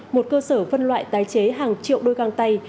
một cơ sở phân loại tái chế hàng triệu đôi găng tay